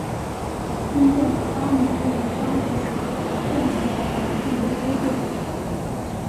新建的巴姆郡将执行更严格的抗震规定。